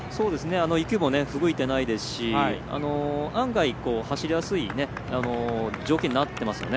雪もふぶいてないですし案外、走りやすい条件になっていますよね。